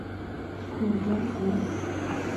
Ko‘rga izma-iz.